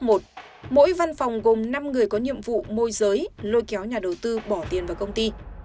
mỗi văn phòng gồm năm người có nhiệm vụ môi giới lôi kéo nhà đầu tư bỏ tiền vào công ty